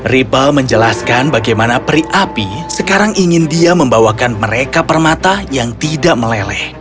ribal menjelaskan bagaimana peri api sekarang ingin dia membawakan mereka permata yang tidak meleleh